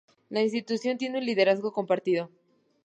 La institución tiene un liderazgo compartido.